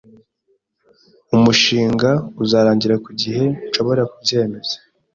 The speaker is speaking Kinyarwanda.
"Umushinga uzarangira ku gihe?" "Nshobora kubyemeza."